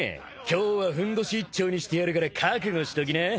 今日はふんどし一丁にしてやるから覚悟しときな。